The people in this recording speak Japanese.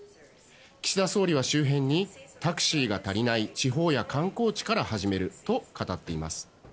岸田総理は周辺にタクシーが足りない地方や観光地から始めると語っています。